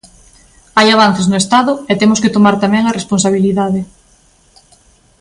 Hai avances no Estado, e temos que tomar tamén a responsabilidade.